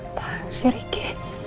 apaan sih riki